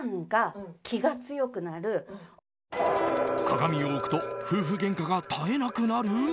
鏡を置くと夫婦げんかが絶えなくなる？